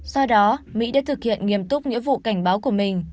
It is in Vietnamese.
do đó mỹ đã thực hiện nghiêm túc nghĩa vụ cảnh báo của mình